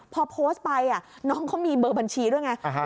พอโพสต์ไปน้องเขามีเบอร์บัญชีด้วยไง